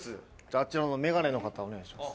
あちらの眼鏡の方お願いします。